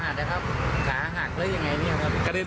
ส่วนสองตายายขี่จักรยานยนต์อีกคันหนึ่งก็เจ็บถูกนำตัวส่งโรงพยาบาลสรรค์กำแพง